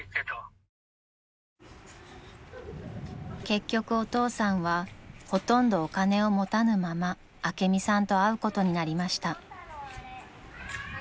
［結局お父さんはほとんどお金を持たぬまま朱美さんと会うことになりました］